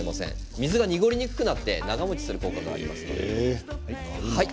水が濁りにくくなって長もちする効果があります。